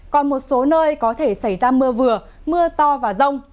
còn một số nơi có thể xảy ra mưa vừa mưa to và rông